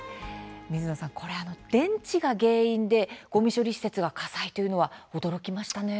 水野さん、電池が原因でごみ処理施設が火災というのは驚きましたね。